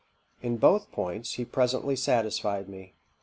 In both which points he presently satisfied me.